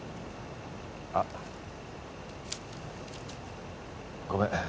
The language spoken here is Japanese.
あっごめん。